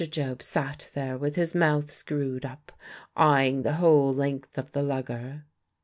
Job sat there with his mouth screwed up, eyeing the whole length of the lugger.